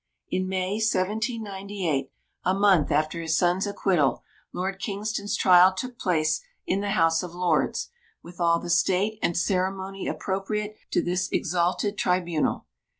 In May 1798, a month after his son's acquittal, Lord Kingston's trial took place in the House of Lords, with all the state and ceremony appropriate to this exalted tribunal.